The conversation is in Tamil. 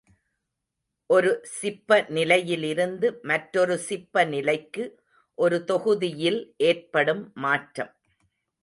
ஒரு சிப்ப நிலையிலிருந்து மற்றொரு சிப்ப நிலைக்கு ஒரு தொகுதியில் ஏற்படும் மாற்றம்.